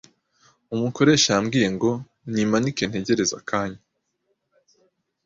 Umukoresha yambwiye ngo nimanike ntegereze akanya.